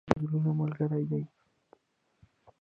چای د زړونو ملګری دی.